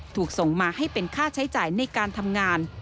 ถูกส่งมาให้เป็นค่าใช้จ่ายในการทำงาน